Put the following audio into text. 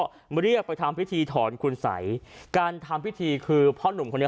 ก็เรียกไปทำพิธีถอนคุณสัยการทำพิธีคือพ่อหนุ่มคนนี้